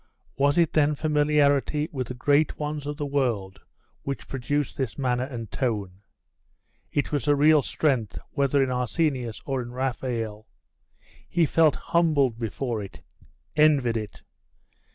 Was it then familiarity with the great ones of the world which produced this manner and tone? It was a real strength, whether in Arsenius or in Raphael. He felt humbled before it envied it.